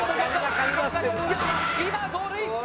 今ゴールイン！